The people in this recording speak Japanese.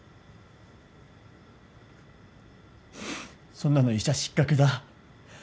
そんなの医者失格だ。